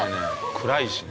暗いしね。